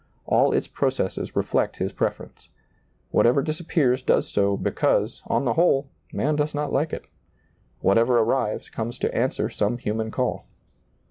All its processes reflect his preference. Whatever disappears does so because, on the whole, man does not like it. Whatever arrives comes to ■ answer some human call.